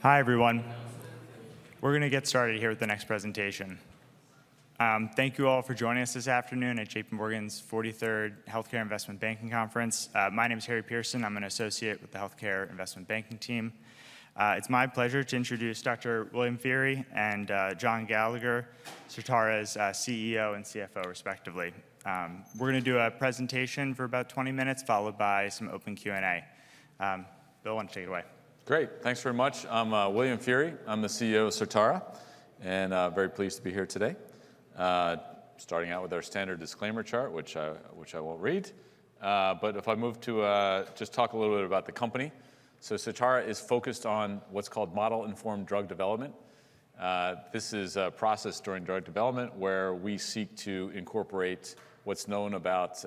Hi, everyone. We're going to get started here with the next presentation. Thank you all for joining us this afternoon at J.P. Morgan's 43rd Healthcare Investment Banking Conference. My name is Harry Pearson. I'm an associate with the Healthcare Investment Banking team. It's my pleasure to introduce Dr. William Feehery and John Gallagher, Certara's CEO and CFO, respectively. We're going to do a presentation for about 20 minutes, followed by some open Q&A. Bill, why don't you take it away? Great. Thanks very much. I'm William Feehery. I'm the CEO of Certara and very pleased to be here today. Starting out with our standard disclaimer chart, which I won't read. But if I move to just talk a little bit about the company, so Certara is focused on what's called model-informed drug development. This is a process during drug development where we seek to incorporate what's known about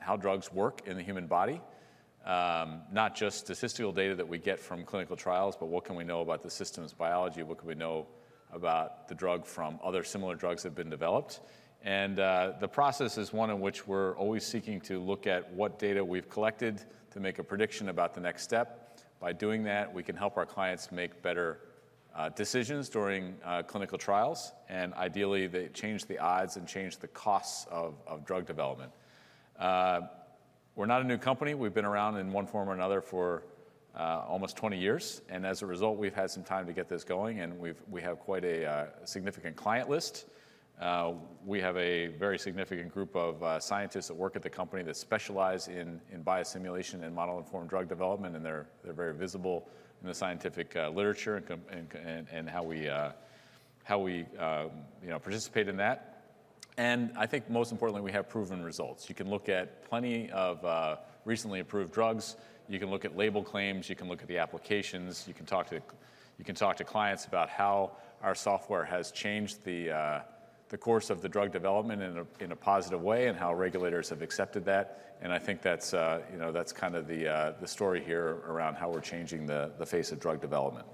how drugs work in the human body, not just the statistical data that we get from clinical trials, but what can we know about the systems biology, what can we know about the drug from other similar drugs that have been developed. And the process is one in which we're always seeking to look at what data we've collected to make a prediction about the next step. By doing that, we can help our clients make better decisions during clinical trials, and ideally, they change the odds and change the costs of drug development. We're not a new company. We've been around in one form or another for almost 20 years, and as a result, we've had some time to get this going, and we have quite a significant client list. We have a very significant group of scientists that work at the company that specialize in biosimulation and model-informed drug development, and they're very visible in the scientific literature and how we participate in that. And I think most importantly, we have proven results. You can look at plenty of recently approved drugs. You can look at label claims. You can look at the applications. You can talk to clients about how our software has changed the course of the drug development in a positive way and how regulators have accepted that, and I think that's kind of the story here around how we're changing the face of drug development.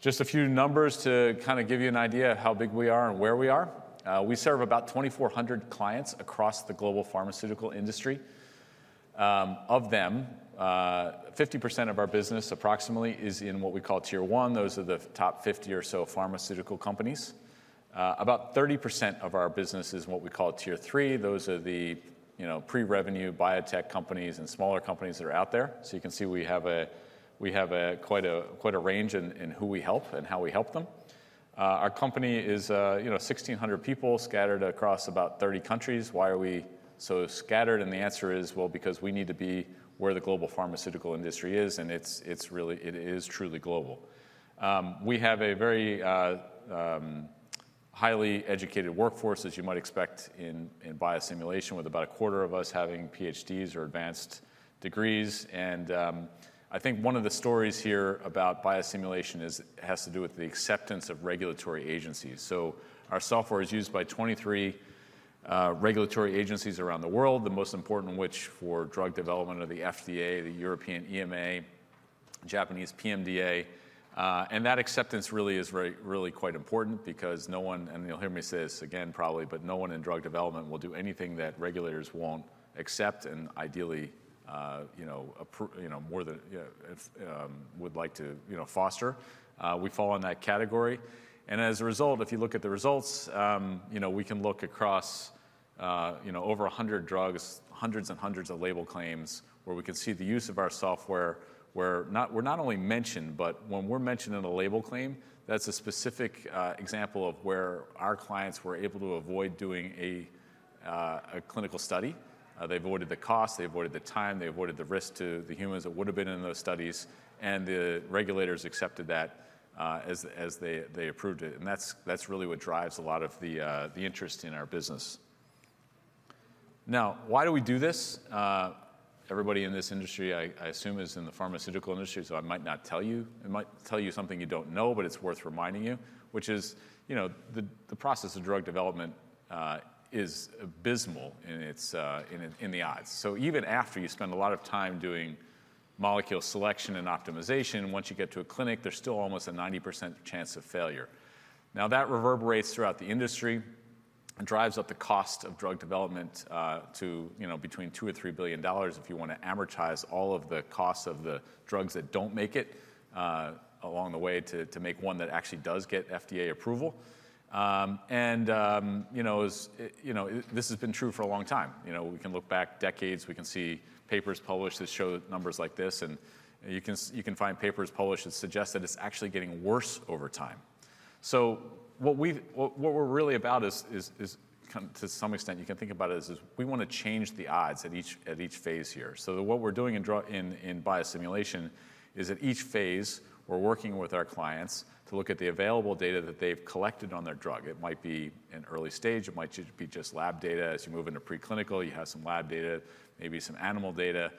Just a few numbers to kind of give you an idea of how big we are and where we are. We serve about 2,400 clients across the global pharmaceutical industry. Of them, 50% of our business, approximately, is in what we call tier one. Those are the top 50 or so pharmaceutical companies. About 30% of our business is in what we call tier three. Those are the pre-revenue biotech companies and smaller companies that are out there. So you can see we have quite a range in who we help and how we help them. Our company is 1,600 people scattered across about 30 countries. Why are we so scattered? And the answer is, well, because we need to be where the global pharmaceutical industry is, and it is truly global. We have a very highly educated workforce, as you might expect in biosimulation, with about a quarter of us having PhDs or advanced degrees. And I think one of the stories here about biosimulation has to do with the acceptance of regulatory agencies. So our software is used by 23 regulatory agencies around the world, the most important of which for drug development are the FDA, the European EMA, Japanese PMDA. And that acceptance really is quite important because no one, and you'll hear me say this again, probably, but no one in drug development will do anything that regulators won't accept and ideally would like to foster. We fall in that category. As a result, if you look at the results, we can look across over 100 drugs, hundreds and hundreds of label claims where we can see the use of our software where we're not only mentioned, but when we're mentioned in a label claim, that's a specific example of where our clients were able to avoid doing a clinical study. They avoided the cost. They avoided the time. They avoided the risk to the humans that would have been in those studies. And the regulators accepted that as they approved it. And that's really what drives a lot of the interest in our business. Now, why do we do this? Everybody in this industry, I assume, is in the pharmaceutical industry, so I might not tell you. I might tell you something you don't know, but it's worth reminding you, which is the process of drug development is abysmal in the odds. So even after you spend a lot of time doing molecule selection and optimization, once you get to a clinic, there's still almost a 90% chance of failure. Now, that reverberates throughout the industry and drives up the cost of drug development to between $2 and $3 billion if you want to amortize all of the costs of the drugs that don't make it along the way to make one that actually does get FDA approval. And this has been true for a long time. We can look back decades. We can see papers published that show numbers like this. And you can find papers published that suggest that it's actually getting worse over time. So what we're really about is, to some extent, you can think about it as we want to change the odds at each phase here. So what we're doing in biosimulation is at each phase, we're working with our clients to look at the available data that they've collected on their drug. It might be an early stage. It might just be lab data. As you move into preclinical, you have some lab data, maybe some animal data.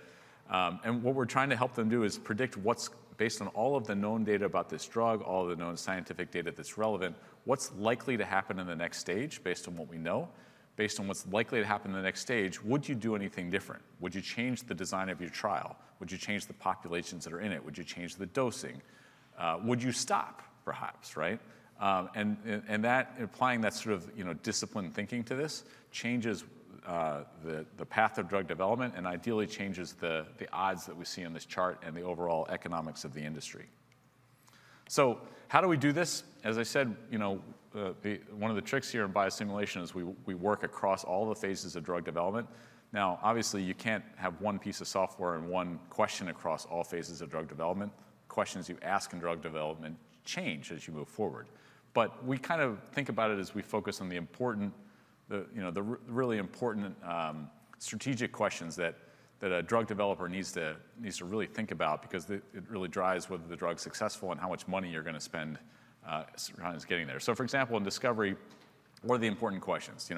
And what we're trying to help them do is predict what's based on all of the known data about this drug, all of the known scientific data that's relevant, what's likely to happen in the next stage based on what we know, based on what's likely to happen in the next stage. Would you do anything different? Would you change the design of your trial? Would you change the populations that are in it? Would you change the dosing? Would you stop, perhaps? Right? And applying that sort of disciplined thinking to this changes the path of drug development and ideally changes the odds that we see on this chart and the overall economics of the industry. So how do we do this? As I said, one of the tricks here in biosimulation is we work across all the phases of drug development. Now, obviously, you can't have one piece of software and one question across all phases of drug development. Questions you ask in drug development change as you move forward. But we kind of think about it as we focus on the really important strategic questions that a drug developer needs to really think about because it really drives whether the drug's successful and how much money you're going to spend getting there. For example, in discovery, what are the important questions?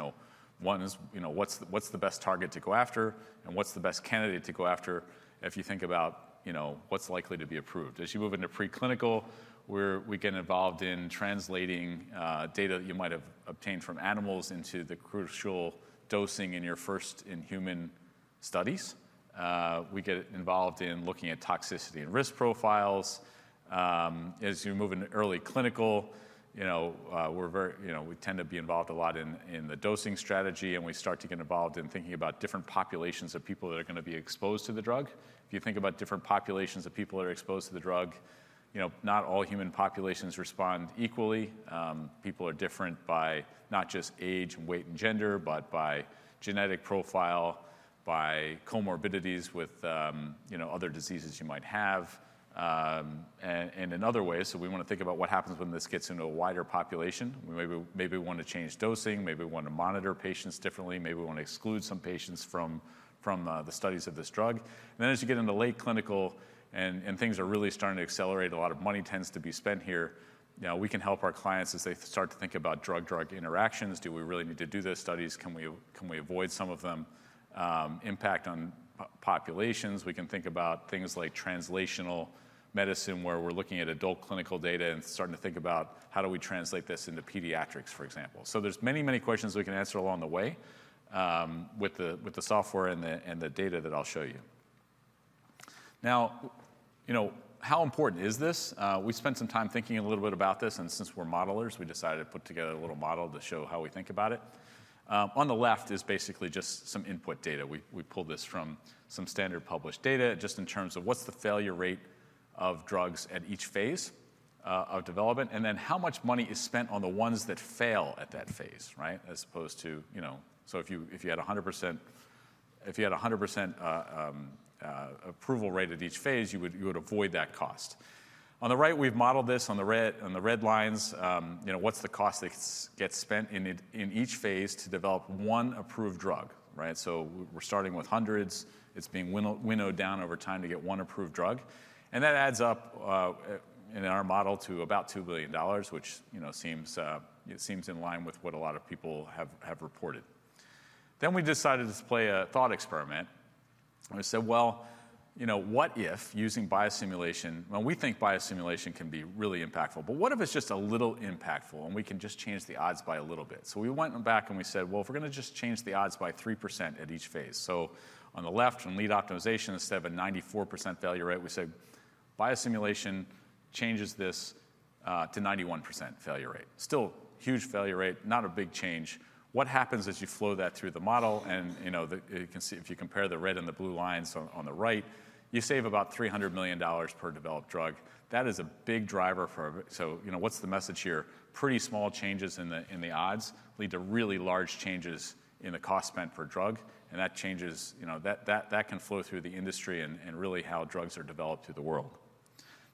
One is, what's the best target to go after, and what's the best candidate to go after if you think about what's likely to be approved? As you move into preclinical, we get involved in translating data that you might have obtained from animals into the crucial dosing in your first-in-human studies. We get involved in looking at toxicity and risk profiles. As you move into early clinical, we tend to be involved a lot in the dosing strategy, and we start to get involved in thinking about different populations of people that are going to be exposed to the drug. If you think about different populations of people that are exposed to the drug, not all human populations respond equally. People are different by not just age, weight, and gender, but by genetic profile, by comorbidities with other diseases you might have, and in other ways. So we want to think about what happens when this gets into a wider population. Maybe we want to change dosing. Maybe we want to monitor patients differently. Maybe we want to exclude some patients from the studies of this drug. And then as you get into late clinical and things are really starting to accelerate, a lot of money tends to be spent here. Now, we can help our clients as they start to think about drug-drug interactions. Do we really need to do those studies? Can we avoid some of them? Impact on populations. We can think about things like translational medicine where we're looking at adult clinical data and starting to think about how do we translate this into pediatrics, for example. So there's many, many questions we can answer along the way with the software and the data that I'll show you. Now, how important is this? We spent some time thinking a little bit about this, and since we're modelers, we decided to put together a little model to show how we think about it. On the left is basically just some input data. We pulled this from some standard published data just in terms of what's the failure rate of drugs at each phase of development, and then how much money is spent on the ones that fail at that phase, right, as opposed to so if you had 100% approval rate at each phase, you would avoid that cost. On the right, we've modeled this on the red lines. What's the cost that gets spent in each phase to develop one approved drug? Right? So we're starting with hundreds. It's being winnowed down over time to get one approved drug, and that adds up in our model to about $2 billion, which seems in line with what a lot of people have reported, then we decided to play a thought experiment. We said, well, what if using biosimulation when we think biosimulation can be really impactful, but what if it's just a little impactful and we can just change the odds by a little bit? So we went back and we said, well, if we're going to just change the odds by 3% at each phase. So on the left, in lead optimization, instead of a 94% failure rate, we said biosimulation changes this to 91% failure rate. Still huge failure rate, not a big change. What happens as you flow that through the model? And if you compare the red and the blue lines on the right, you save about $300 million per developed drug. That is a big driver, so what's the message here? Pretty small changes in the odds lead to really large changes in the cost spent per drug. That changes that can flow through the industry and really how drugs are developed through the world.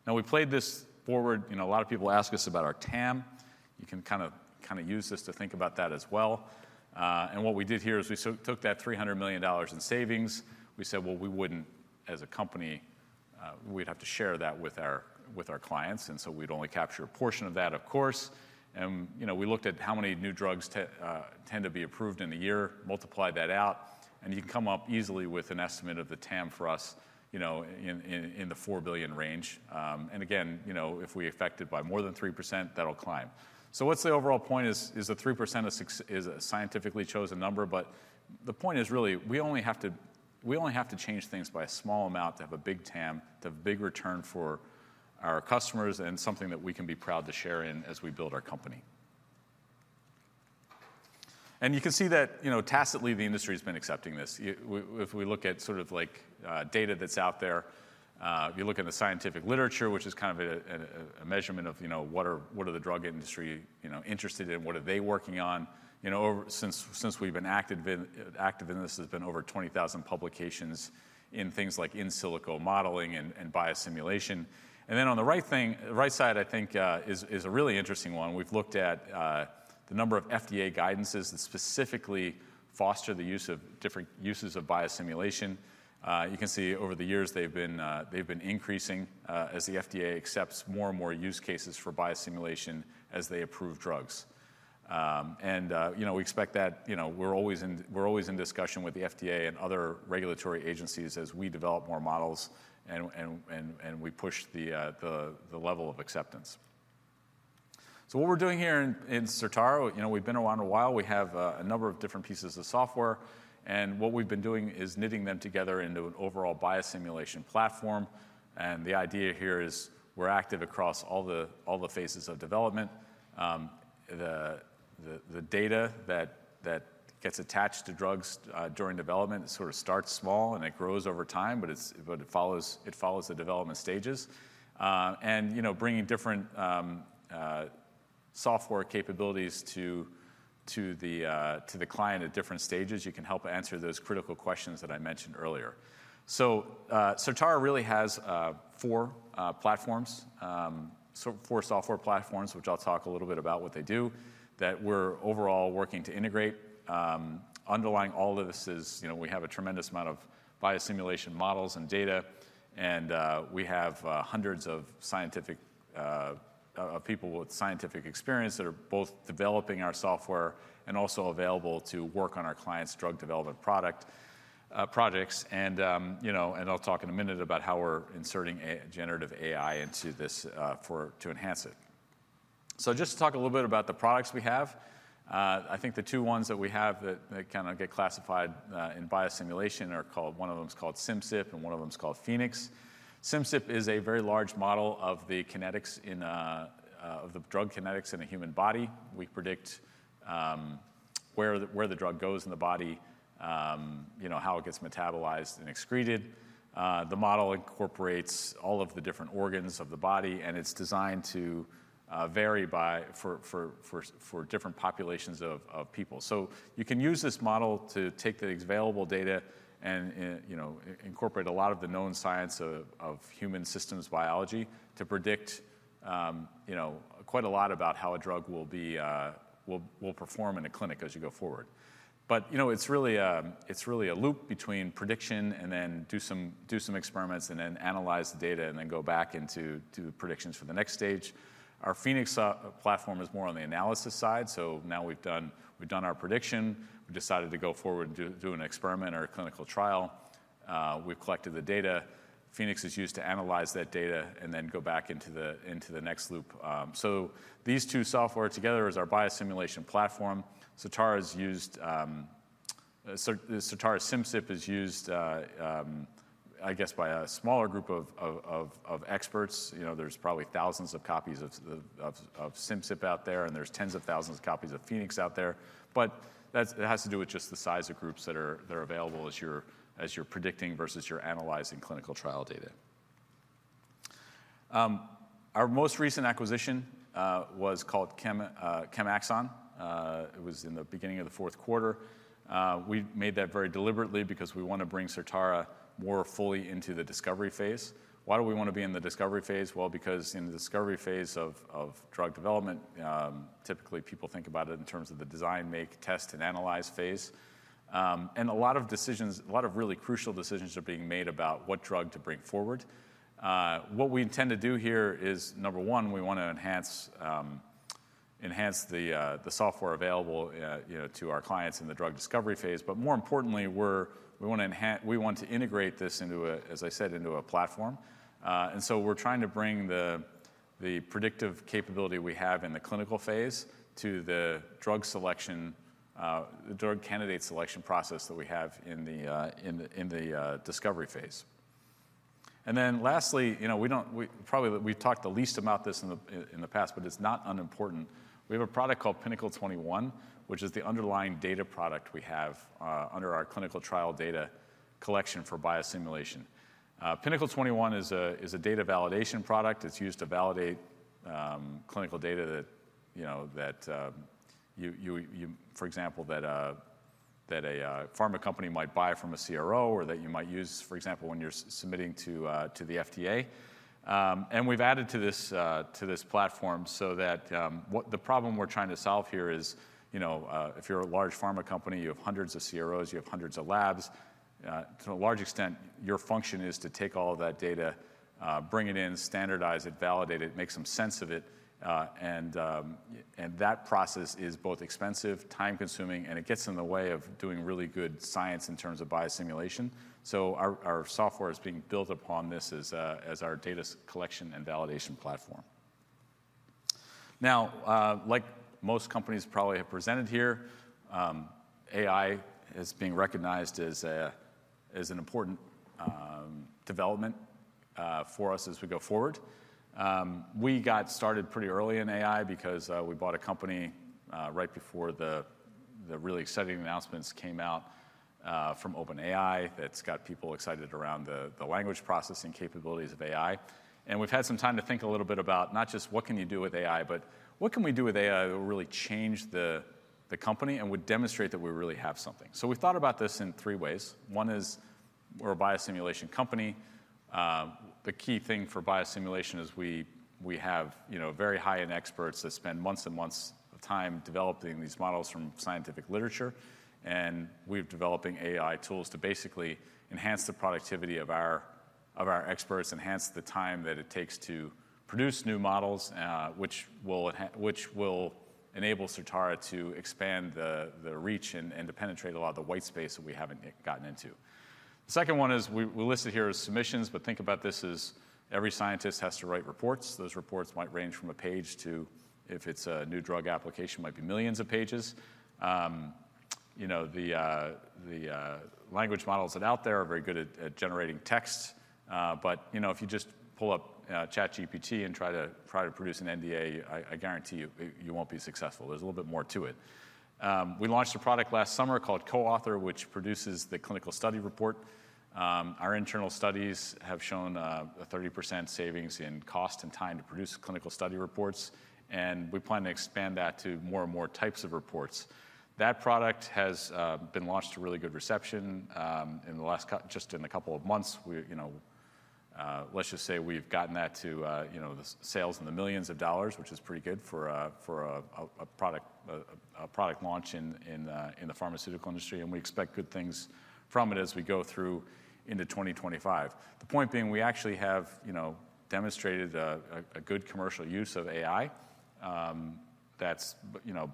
Now, we played this forward. A lot of people ask us about our TAM. You can kind of use this to think about that as well. What we did here is we took that $300 million in savings. We said, well, as a company, we'd have to share that with our clients. So we'd only capture a portion of that, of course. We looked at how many new drugs tend to be approved in a year, multiplied that out. You can come up easily with an estimate of the TAM for us in the $4 billion range. Again, if we're affected by more than 3%, that'll climb. What's the overall point? Is the 3% a scientifically chosen number? But the point is really, we only have to change things by a small amount to have a big TAM, to have a big return for our customers, and something that we can be proud to share in as we build our company, and you can see that tacitly, the industry has been accepting this. If we look at sort of data that's out there, you look at the scientific literature, which is kind of a measurement of what are the drug industry interested in, what are they working on. Since we've been active in this, there's been over 20,000 publications in things like in silico modeling and biosimulation, and then on the right side, I think, is a really interesting one. We've looked at the number of FDA guidances that specifically foster the use of different uses of biosimulation. You can see over the years, they've been increasing as the FDA accepts more and more use cases for biosimulation as they approve drugs. And we expect that we're always in discussion with the FDA and other regulatory agencies as we develop more models and we push the level of acceptance. So what we're doing here in Certara, we've been around a while. We have a number of different pieces of software. And what we've been doing is knitting them together into an overall biosimulation platform. And the idea here is we're active across all the phases of development. The data that gets attached to drugs during development sort of starts small and it grows over time, but it follows the development stages. And bringing different software capabilities to the client at different stages, you can help answer those critical questions that I mentioned earlier. Certara really has four software platforms, which I'll talk a little bit about what they do, that we're overall working to integrate. Underlying all of this is we have a tremendous amount of biosimulation models and data. And we have hundreds of people with scientific experience that are both developing our software and also available to work on our clients' drug development projects. And I'll talk in a minute about how we're inserting generative AI into this to enhance it. So just to talk a little bit about the products we have, I think the two ones that we have that kind of get classified in biosimulation are called one of them is called Simcyp and one of them is called Phoenix. Simcyp is a very large model of the drug kinetics in a human body. We predict where the drug goes in the body, how it gets metabolized and excreted. The model incorporates all of the different organs of the body, and it's designed to vary for different populations of people. So you can use this model to take the available data and incorporate a lot of the known science of human systems biology to predict quite a lot about how a drug will perform in a clinic as you go forward. But it's really a loop between prediction and then do some experiments and then analyze the data and then go back into predictions for the next stage. Our Phoenix platform is more on the analysis side. So now we've done our prediction. We've decided to go forward and do an experiment or a clinical trial. We've collected the data. Phoenix is used to analyze that data and then go back into the next loop, so these two software together is our biosimulation platform. Certara Simcyp is used, I guess, by a smaller group of experts. There's probably thousands of copies of Simcyp out there, and there's tens of thousands of copies of Phoenix out there. But it has to do with just the size of groups that are available as you're predicting versus you're analyzing clinical trial data. Our most recent acquisition was called Chemaxon. It was in the beginning of the fourth quarter. We made that very deliberately because we want to bring Certara more fully into the discovery phase. Why do we want to be in the discovery phase, well, because in the discovery phase of drug development, typically people think about it in terms of the design, make, test, and analyze phase. A lot of decisions, a lot of really crucial decisions are being made about what drug to bring forward. What we intend to do here is, number one, we want to enhance the software available to our clients in the drug discovery phase. More importantly, we want to integrate this, as I said, into a platform. We're trying to bring the predictive capability we have in the clinical phase to the drug candidate selection process that we have in the discovery phase. Then lastly, probably we've talked the least about this in the past, but it's not unimportant. We have a product called Pinnacle 21, which is the underlying data product we have under our clinical trial data collection for biosimulation. Pinnacle 21 is a data validation product. It's used to validate clinical data that, for example, that a pharma company might buy from a CRO or that you might use, for example, when you're submitting to the FDA, and we've added to this platform so that the problem we're trying to solve here is if you're a large pharma company, you have hundreds of CROs, you have hundreds of labs. To a large extent, your function is to take all of that data, bring it in, standardize it, validate it, make some sense of it, and that process is both expensive, time-consuming, and it gets in the way of doing really good science in terms of biosimulation, so our software is being built upon this as our data collection and validation platform. Now, like most companies probably have presented here, AI is being recognized as an important development for us as we go forward. We got started pretty early in AI because we bought a company right before the really exciting announcements came out from OpenAI that's got people excited around the language processing capabilities of AI. And we've had some time to think a little bit about not just what can you do with AI, but what can we do with AI that will really change the company and would demonstrate that we really have something. So we thought about this in three ways. One is we're a biosimulation company. The key thing for biosimulation is we have very high-end experts that spend months and months of time developing these models from scientific literature. We're developing AI tools to basically enhance the productivity of our experts, enhance the time that it takes to produce new models, which will enable Certara to expand the reach and to penetrate a lot of the white space that we haven't gotten into. The second one is we listed here as submissions, but think about this as every scientist has to write reports. Those reports might range from a page to, if it's a new drug application, might be millions of pages. The language models that are out there are very good at generating text, but if you just pull up ChatGPT and try to produce an NDA, I guarantee you won't be successful. There's a little bit more to it. We launched a product last summer called CoAuthor, which produces the clinical study report. Our internal studies have shown a 30% savings in cost and time to produce clinical study reports, and we plan to expand that to more and more types of reports. That product has been launched to really good reception in just a couple of months. Let's just say we've gotten that to the sales in the millions of dollars, which is pretty good for a product launch in the pharmaceutical industry, and we expect good things from it as we go through into 2025. The point being, we actually have demonstrated a good commercial use of AI that's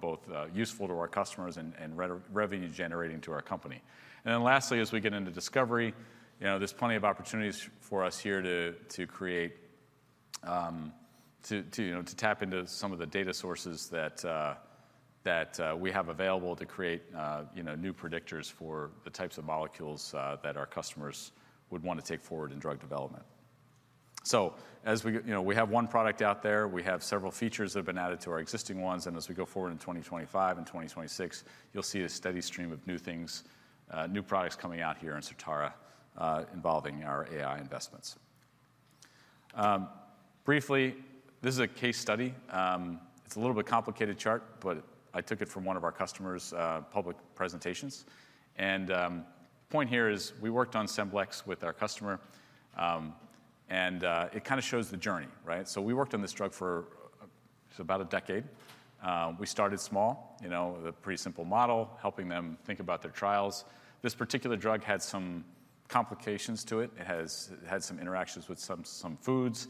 both useful to our customers and revenue-generating to our company. And then lastly, as we get into discovery, there's plenty of opportunities for us here to tap into some of the data sources that we have available to create new predictors for the types of molecules that our customers would want to take forward in drug development. So we have one product out there. We have several features that have been added to our existing ones. And as we go forward in 2025 and 2026, you'll see a steady stream of new products coming out here in Certara involving our AI investments. Briefly, this is a case study. It's a little bit complicated chart, but I took it from one of our customers' public presentations. And the point here is we worked on Scemblix with our customer. And it kind of shows the journey, right? So we worked on this drug for about a decade. We started small, a pretty simple model, helping them think about their trials. This particular drug had some complications to it. It had some interactions with some foods.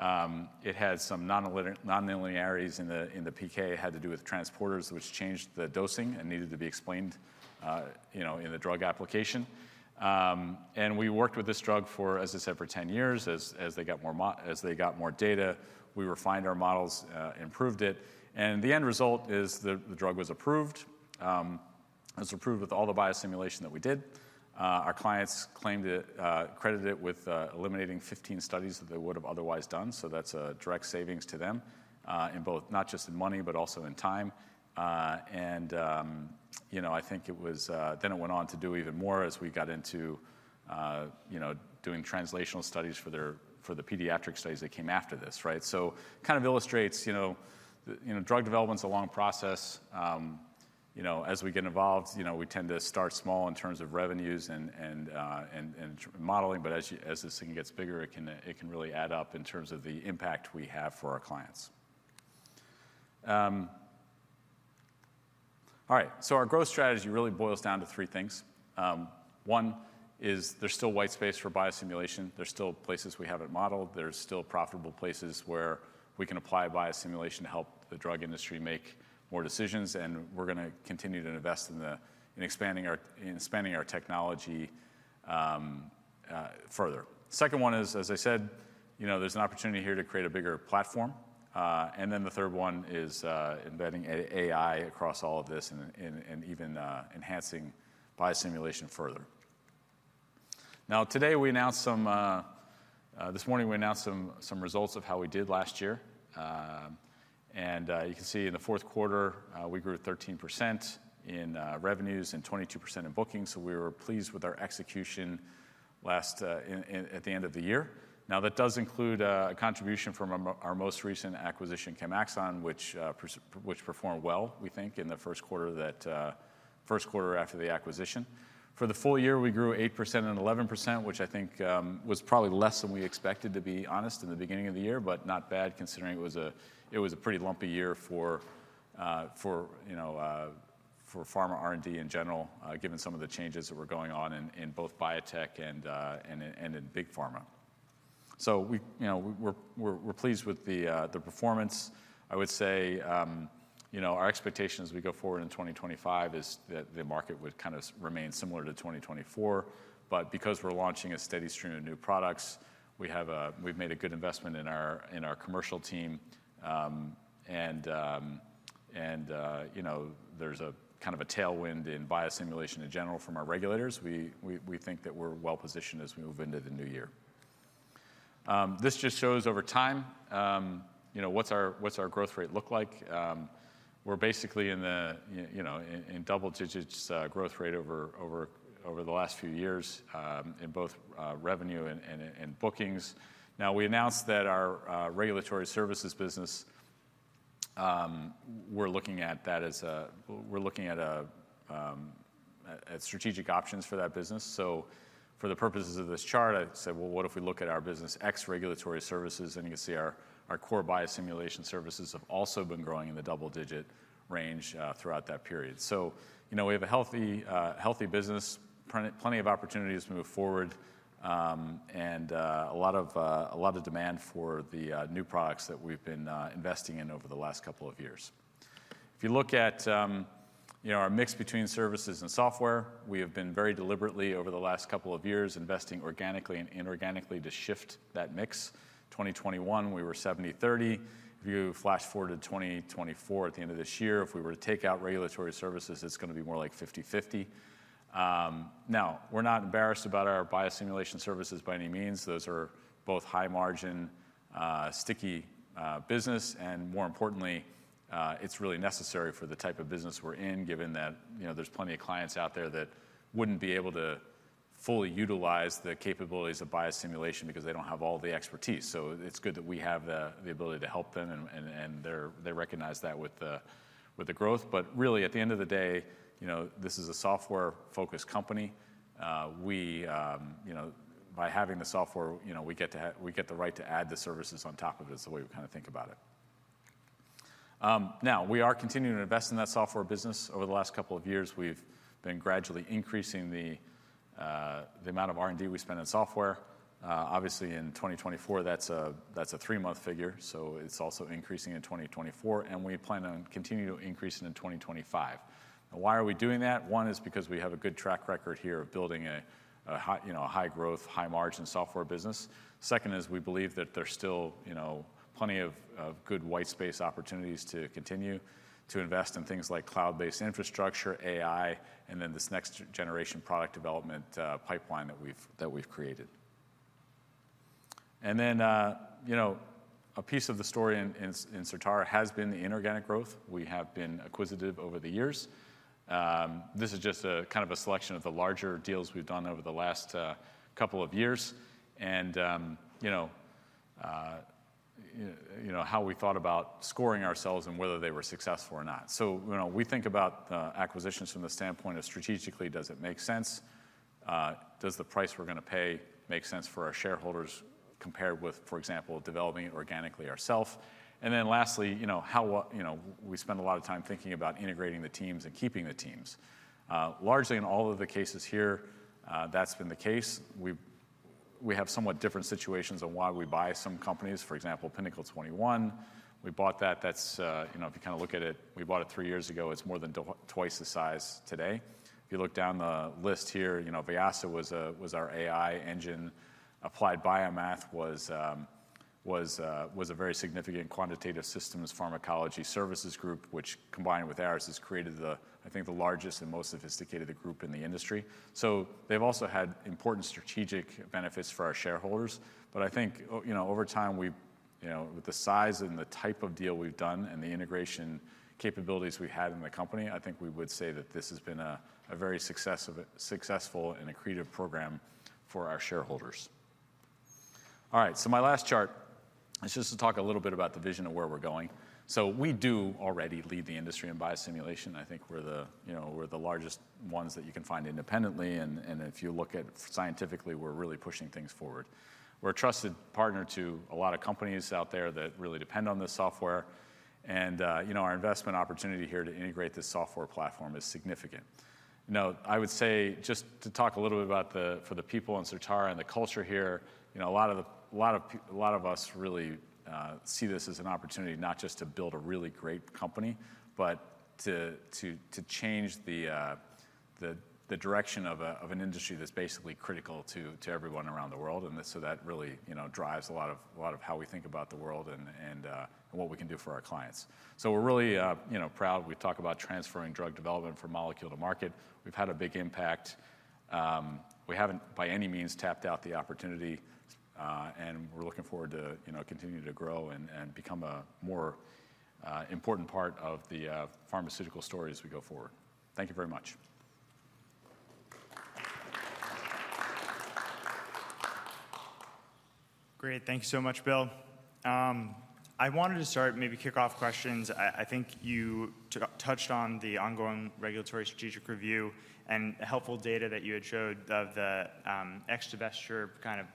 It had some nonlinearities in the PK. It had to do with transporters, which changed the dosing and needed to be explained in the drug application, and we worked with this drug for, as I said, for 10 years. As they got more data, we refined our models, improved it, and the end result is the drug was approved. It was approved with all the biosimulation that we did. Our clients credited it with eliminating 15 studies that they would have otherwise done, so that's a direct savings to them, not just in money, but also in time. I think it was then it went on to do even more as we got into doing translational studies for the pediatric studies that came after this, right? So it kind of illustrates drug development is a long process. As we get involved, we tend to start small in terms of revenues and modeling. But as this thing gets bigger, it can really add up in terms of the impact we have for our clients. All right. So our growth strategy really boils down to three things. One is there's still white space for biosimulation. There's still places we haven't modeled. There's still profitable places where we can apply biosimulation to help the drug industry make more decisions. And we're going to continue to invest in expanding our technology further. The second one is, as I said, there's an opportunity here to create a bigger platform. And then the third one is embedding AI across all of this and even enhancing biosimulation further. Now, today, this morning, we announced some results of how we did last year. And you can see in the fourth quarter, we grew 13% in revenues and 22% in bookings. So we were pleased with our execution at the end of the year. Now, that does include a contribution from our most recent acquisition, Chemaxon, which performed well, we think, in the first quarter after the acquisition. For the full year, we grew 8% and 11%, which I think was probably less than we expected to be honest in the beginning of the year, but not bad considering it was a pretty lumpy year for pharma R&D in general, given some of the changes that were going on in both biotech and in big pharma. So we're pleased with the performance. I would say our expectation as we go forward in 2025 is that the market would kind of remain similar to 2024. But because we're launching a steady stream of new products, we've made a good investment in our commercial team. And there's kind of a tailwind in biosimulation in general from our regulators. We think that we're well positioned as we move into the new year. This just shows over time what's our growth rate look like. We're basically in double digits growth rate over the last few years in both revenue and bookings. Now, we announced that our regulatory services business. We're looking at strategic options for that business. So for the purposes of this chart, I said, "Well, what if we look at our business X regulatory services?" And you can see our core biosimulation services have also been growing in the double-digit range throughout that period. So we have a healthy business, plenty of opportunities to move forward, and a lot of demand for the new products that we've been investing in over the last couple of years. If you look at our mix between services and software, we have been very deliberately over the last couple of years investing organically and inorganically to shift that mix. 2021, we were 70/30. If you flash forward to 2024 at the end of this year, if we were to take out regulatory services, it's going to be more like 50/50. Now, we're not embarrassed about our biosimulation services by any means. Those are both high-margin, sticky business. And more importantly, it's really necessary for the type of business we're in, given that there's plenty of clients out there that wouldn't be able to fully utilize the capabilities of biosimulation because they don't have all the expertise. So it's good that we have the ability to help them, and they recognize that with the growth. But really, at the end of the day, this is a software-focused company. By having the software, we get the right to add the services on top of it, is the way we kind of think about it. Now, we are continuing to invest in that software business. Over the last couple of years, we've been gradually increasing the amount of R&D we spend on software. Obviously, in 2024, that's a three-month figure. So it's also increasing in 2024. And we plan on continuing to increase it in 2025. Now, why are we doing that? One is because we have a good track record here of building a high-growth, high-margin software business. Second is we believe that there's still plenty of good white space opportunities to continue to invest in things like cloud-based infrastructure, AI, and then this next-generation product development pipeline that we've created. And then a piece of the story in Certara has been the inorganic growth. We have been acquisitive over the years. This is just kind of a selection of the larger deals we've done over the last couple of years and how we thought about scoring ourselves and whether they were successful or not. So we think about acquisitions from the standpoint of strategically, does it make sense? Does the price we're going to pay make sense for our shareholders compared with, for example, developing it organically ourselves? And then lastly, we spend a lot of time thinking about integrating the teams and keeping the teams. Largely in all of the cases here, that's been the case. We have somewhat different situations on why we buy some companies. For example, Pinnacle 21, we bought that. If you kind of look at it, we bought it three years ago. It's more than twice the size today. If you look down the list here, Vyasa was our AI engine. Applied BioMath was a very significant Quantitative Systems Pharmacology services group, which combined with ours has created, I think, the largest and most sophisticated group in the industry. So they've also had important strategic benefits for our shareholders. But I think over time, with the size and the type of deal we've done and the integration capabilities we've had in the company, I think we would say that this has been a very successful and accretive program for our shareholders. All right. So my last chart is just to talk a little bit about the vision of where we're going. So we do already lead the industry in biosimulation. I think we're the largest ones that you can find independently. And if you look at scientifically, we're really pushing things forward. We're a trusted partner to a lot of companies out there that really depend on this software. And our investment opportunity here to integrate this software platform is significant. Now, I would say just to talk a little bit about for the people in Certara and the culture here, a lot of us really see this as an opportunity not just to build a really great company, but to change the direction of an industry that's basically critical to everyone around the world, and so that really drives a lot of how we think about the world and what we can do for our clients, so we're really proud. We talk about transferring drug development from molecule to market. We've had a big impact. We haven't by any means tapped out the opportunity, and we're looking forward to continuing to grow and become a more important part of the pharmaceutical story as we go forward. Thank you very much. Great. Thank you so much, Bill. I wanted to start, maybe kick off questions. I think you touched on the ongoing regulatory strategic review and helpful data that you had showed of the acquisition and divestiture kind of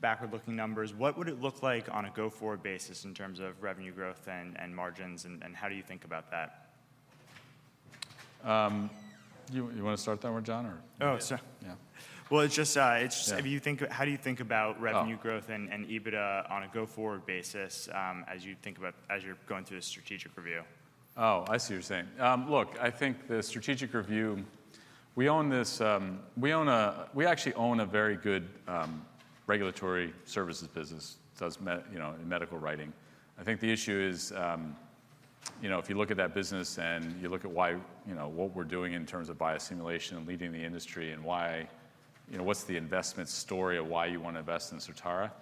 backward-looking numbers. What would it look like on a go-forward basis in terms of revenue growth and margins? And how do you think about that? You want to start that one, John, or? Oh, sure. Yeah. It's just how do you think about revenue growth and EBITDA on a go-forward basis as you think about as you're going through a strategic review? Oh, I see what you're saying. Look, I think the strategic review, we own this, we actually own a very good regulatory services business that does medical writing. I think the issue is if you look at that business and you look at what we're doing in terms of biosimulation and leading the industry and what's the investment story of why you want to invest in Certara,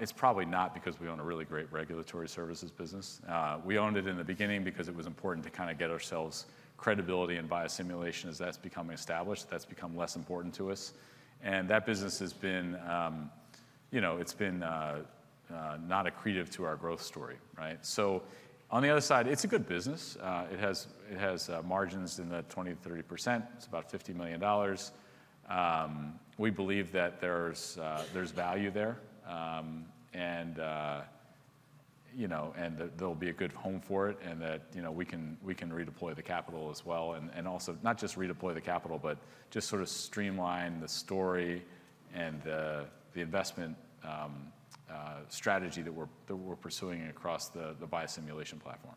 it's probably not because we own a really great regulatory services business. We owned it in the beginning because it was important to kind of get ourselves credibility in biosimulation as that's become established. That's become less important to us. And that business has been not accretive to our growth story, right? So on the other side, it's a good business. It has margins in the 20%-30%. It's about $50 million. We believe that there's value there and there'll be a good home for it and that we can redeploy the capital as well. And also not just redeploy the capital, but just sort of streamline the story and the investment strategy that we're pursuing across the biosimulation platform.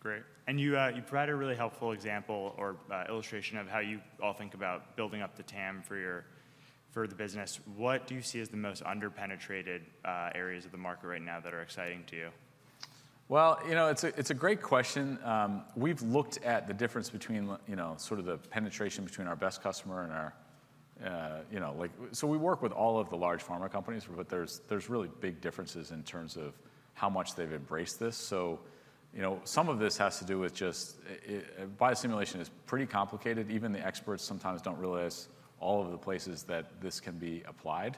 Great. And you provided a really helpful example or illustration of how you all think about building up the TAM for the business. What do you see as the most underpenetrated areas of the market right now that are exciting to you? Well, it's a great question. We've looked at the difference between sort of the penetration between our best customer and ours. So we work with all of the large pharma companies, but there's really big differences in terms of how much they've embraced this. So some of this has to do with just biosimulation is pretty complicated. Even the experts sometimes don't realize all of the places that this can be applied.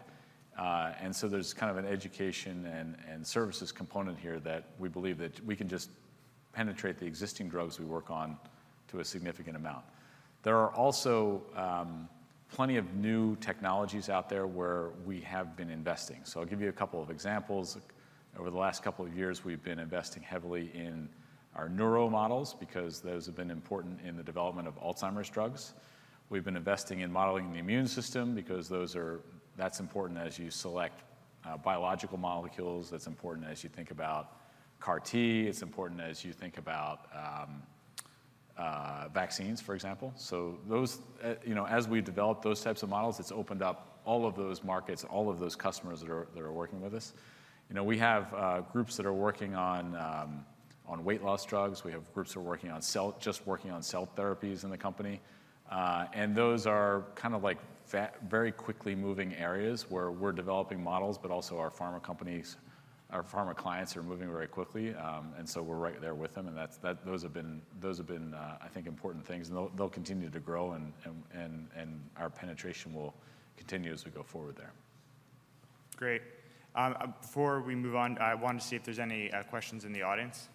And so there's kind of an education and services component here that we believe that we can just penetrate the existing drugs we work on to a significant amount. There are also plenty of new technologies out there where we have been investing. So I'll give you a couple of examples. Over the last couple of years, we've been investing heavily in our neuro models because those have been important in the development of Alzheimer's drugs. We've been investing in modeling the immune system because that's important as you select biological molecules. That's important as you think about CAR-T. It's important as you think about vaccines, for example, so as we develop those types of models, it's opened up all of those markets, all of those customers that are working with us. We have groups that are working on weight loss drugs. We have groups that are just working on cell therapies in the company, and those are kind of like very quickly moving areas where we're developing models, but also our pharma companies, our pharma clients are moving very quickly, and so we're right there with them, and those have been, I think, important things, and they'll continue to grow, and our penetration will continue as we go forward there. Great. Before we move on, I wanted to see if there's any questions in the audience.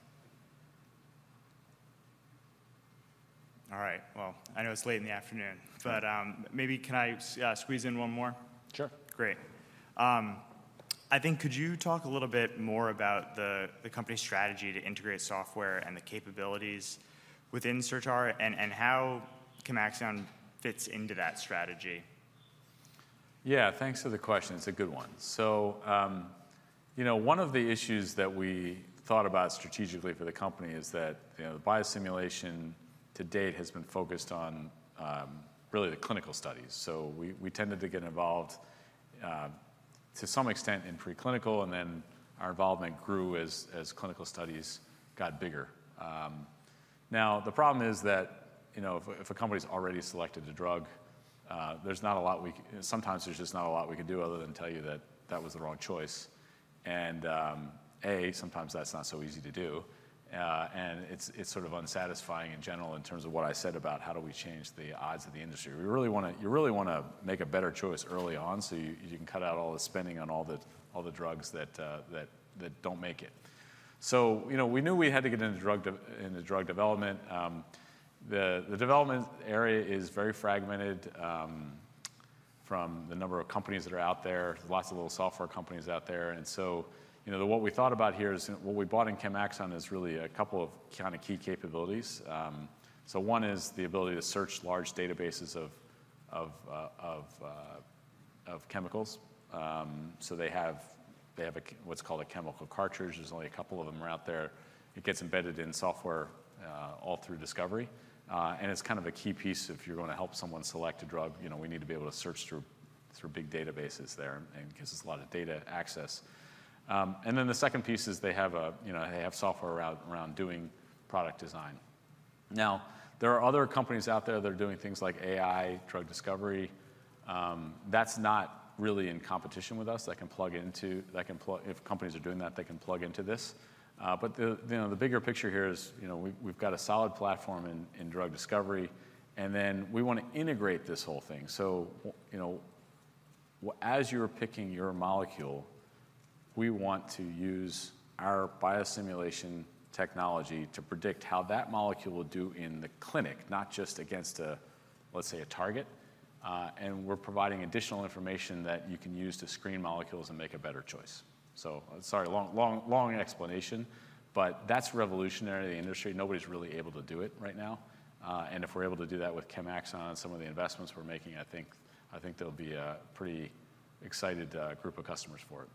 All right. Well, I know it's late in the afternoon, but maybe can I squeeze in one more? Sure. Great. I think could you talk a little bit more about the company's strategy to integrate software and the capabilities within Certara and how Chemaxon fits into that strategy? Yeah. Thanks for the question. It's a good one, so one of the issues that we thought about strategically for the company is that biosimulation to date has been focused on really the clinical studies. So we tended to get involved to some extent in preclinical, and then our involvement grew as clinical studies got bigger. Now, the problem is that if a company's already selected a drug, there's not a lot we can do other than tell you that that was the wrong choice. And A, sometimes that's not so easy to do. And it's sort of unsatisfying in general in terms of what I said about how do we change the odds of the industry. You really want to make a better choice early on so you can cut out all the spending on all the drugs that don't make it. So we knew we had to get into drug development. The development area is very fragmented from the number of companies that are out there. There's lots of little software companies out there. And so what we thought about here is what we bought in Chemaxon is really a couple of kind of key capabilities. So one is the ability to search large databases of chemicals. So they have what's called a chemical cartridge. There's only a couple of them out there. It gets embedded in software all through discovery. And it's kind of a key piece if you're going to help someone select a drug. We need to be able to search through big databases there because it's a lot of data access. And then the second piece is they have software around doing product design. Now, there are other companies out there that are doing things like AI drug discovery. That's not really in competition with us. If companies are doing that, they can plug into this. But the bigger picture here is we've got a solid platform in drug discovery. And then we want to integrate this whole thing. So as you're picking your molecule, we want to use our biosimulation technology to predict how that molecule will do in the clinic, not just against, let's say, a target. And we're providing additional information that you can use to screen molecules and make a better choice. So sorry, long explanation, but that's revolutionary in the industry. Nobody's really able to do it right now. And if we're able to do that with Chemaxon and some of the investments we're making, I think there'll be a pretty excited group of customers for it.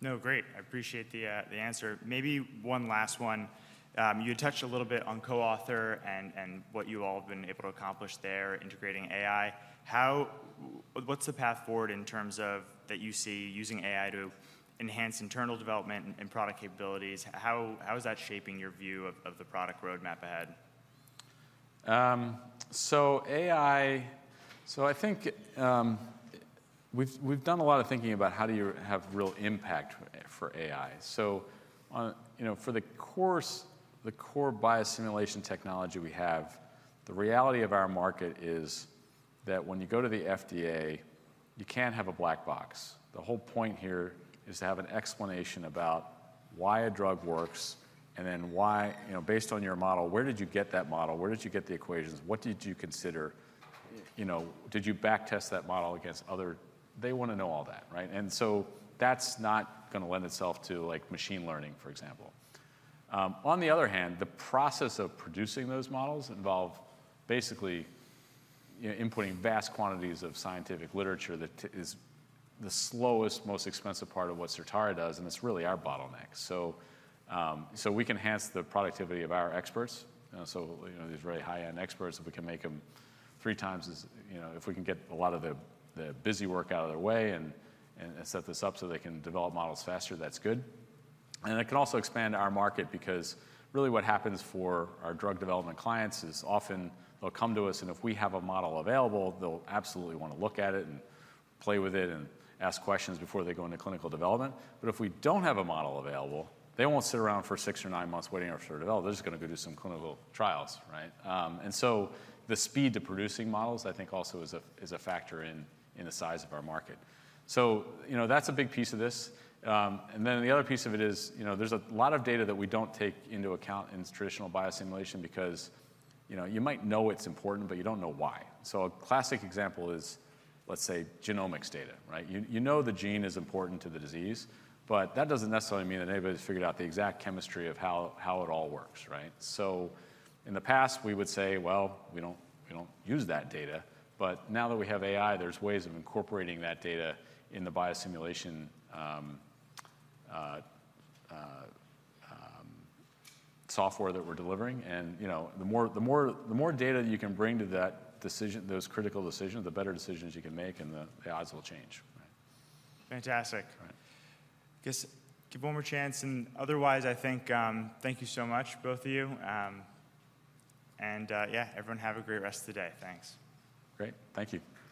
No, great. I appreciate the answer. Maybe one last one. You had touched a little bit on CoAuthor and what you all have been able to accomplish there integrating AI. What's the path forward in terms of that you see using AI to enhance internal development and product capabilities? How is that shaping your view of the product roadmap ahead? I think we've done a lot of thinking about how do you have real impact for AI. For the core biosimulation technology we have, the reality of our market is that when you go to the FDA, you can't have a black box. The whole point here is to have an explanation about why a drug works and then based on your model, where did you get that model? Where did you get the equations? What did you consider? Did you backtest that model against other? They want to know all that, right? And so that's not going to lend itself to machine learning, for example. On the other hand, the process of producing those models involves basically inputting vast quantities of scientific literature that is the slowest, most expensive part of what Certara does, and it's really our bottleneck. So we can enhance the productivity of our experts. So these very high-end experts, if we can make them three times as if we can get a lot of the busy work out of their way and set this up so they can develop models faster, that's good. And it can also expand our market because really what happens for our drug development clients is often they'll come to us, and if we have a model available, they'll absolutely want to look at it and play with it and ask questions before they go into clinical development. But if we don't have a model available, they won't sit around for six or nine months waiting for it to develop. They're just going to go do some clinical trials, right? And so the speed to producing models, I think, also is a factor in the size of our market. So that's a big piece of this. And then the other piece of it is there's a lot of data that we don't take into account in traditional biosimulation because you might know it's important, but you don't know why. So a classic example is, let's say, genomics data, right? You know the gene is important to the disease, but that doesn't necessarily mean that anybody's figured out the exact chemistry of how it all works, right? So in the past, we would say, well, we don't use that data. But now that we have AI, there's ways of incorporating that data in the biosimulation software that we're delivering. And the more data that you can bring to those critical decisions, the better decisions you can make, and the odds will change, right? Fantastic. Just give one more chance. And otherwise, I think thank you so much, both of you. And yeah, everyone, have a great rest of the day. Thanks. Great. Thank you.